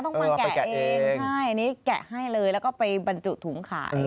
ต้องมาแกะเองใช่อันนี้แกะให้เลยแล้วก็ไปบรรจุถุงขาย